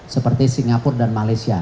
seperti singapura dan malaysia